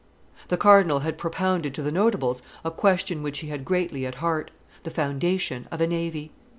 The cardinal had propounded to the Notables a question which he had greatly at heart the foundation of a navy.